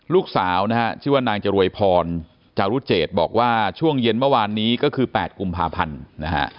ลูกสาวนะฮะชื่อว่านางจรวยพรจารุเจตบอกว่าช่วงเย็นเมื่อวานนี้ก็คือ๘กุมภาพันธ์นะฮะ